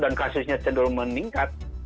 dan kasusnya cenderung meningkat